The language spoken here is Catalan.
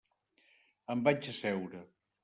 Em vaig asseure.